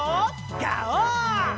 ガオー！